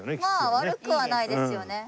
悪くはないですよね。